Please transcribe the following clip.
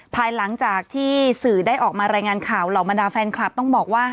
ภายหลังจากที่สื่อได้ออกมารายงานข่าวเหล่าบรรดาแฟนคลับต้องบอกว่า